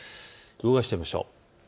動かしてみましょう。